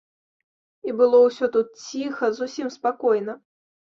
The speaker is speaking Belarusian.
І было ўсё тут ціха, зусім спакойна.